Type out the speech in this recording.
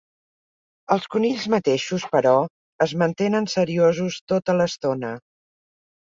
Els conills mateixos, però, es mantenen seriosos tota l'estona.